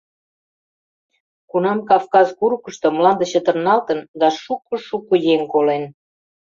Кунам Кавказ курыкышто мланде чытырналтын, да шуко-шуко еҥ колен.